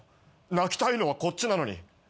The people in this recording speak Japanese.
泣きたいのはこっちなのに。